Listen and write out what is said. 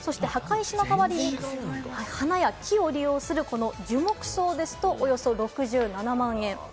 墓石の代わりに花や木を利用する樹木葬ですと、およそ６７万円。